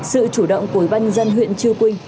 sự chủ động của ủy ban dân huyện chư quynh